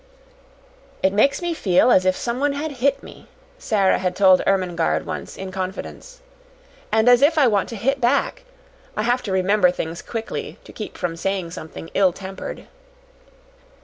"It makes me feel as if someone had hit me," Sara had told Ermengarde once in confidence. "And as if I want to hit back. I have to remember things quickly to keep from saying something ill tempered."